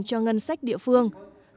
cho ngân sách địa phương